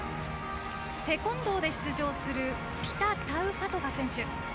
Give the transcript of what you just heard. テコンドーで出場するピタ・タウファトファ選手。